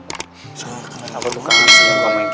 nusant kenapa duka asli ngekomain kayak gitu